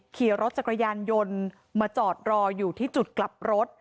ขี่รถจักรยานยนต์มาจอดรออยู่ที่จุดกลับรถ